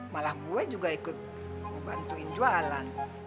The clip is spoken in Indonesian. malah gue juga ikut membantuin jualan